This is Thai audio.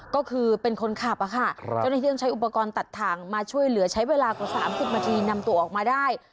ก็คือเป็นคนขับเจ้าหน้าที่ยังใช้อุปกรณ์ตัดทางมาช่วยเหลือใช้เวลากว่า๓๐นาทีนำตัวออกมาได้